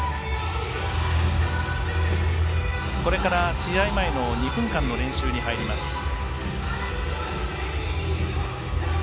これから、試合前の２分間の練習に入ります。